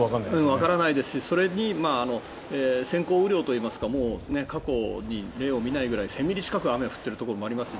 わからないですしそれに降雨量といいますか過去に例を見ないぐらい１０００ミリ近く雨が降ってるところがあります。